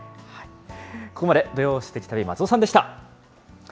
ここまで、土曜すてき旅、松尾さんでした。